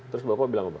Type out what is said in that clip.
terus bapak bilang apa